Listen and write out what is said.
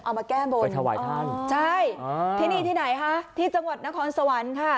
เอามาแก้บนไปถวายท่านใช่อ๋อที่นี่ที่ไหนคะที่จังหวัดนครสวรรค์ค่ะ